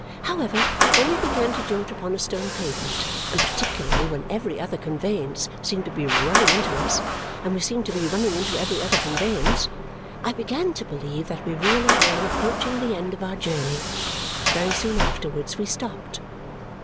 However, when we began to jolt upon a stone pavement, and particularly when every other conveyance seemed to be running into us, and we seemed to be running into every other conveyance, I began to believe that we really were approaching the end of our journey. Very soon afterwards we stopped.